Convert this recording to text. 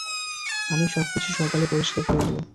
আমি সবকিছু সকালে পরিষ্কার করে দেব।